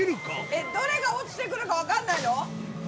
どれが落ちてくるか分かんないの？